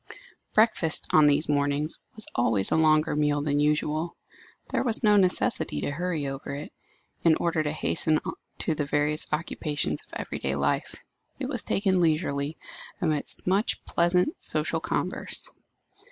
Breakfast, on these mornings, was always a longer meal than usual. There was no necessity to hurry over it, in order to hasten to the various occupations of every day life. It was taken leisurely, amidst much pleasant, social converse.